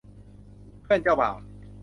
เพื่อนเจ้าบ่าว